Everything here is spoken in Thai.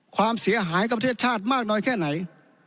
ความเสียหายกับประเทศชาติมากน้อยแค่ไหน